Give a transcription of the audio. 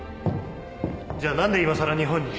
じゃあ何で今更日本に？